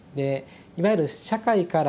いわゆる社会からですね